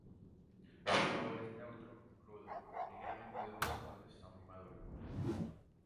Su sabor es neutro en crudo, ligeramente dulce cuando está muy maduro.